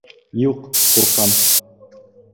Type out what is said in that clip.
Юҡ, ҡурҡам!